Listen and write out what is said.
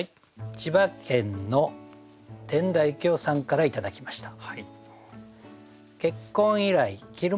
千葉県の伝田幸男さんから頂きました。